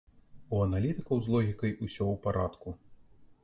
У аналітыкаў з логікай усё ў парадку.